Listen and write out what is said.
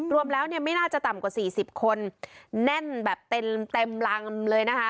รวมแล้วเนี่ยไม่น่าจะต่ำกว่า๔๐คนแน่นแบบเต็มลำเลยนะคะ